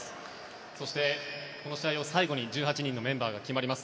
そして、この試合を最後に１８人のメンバーが決まります。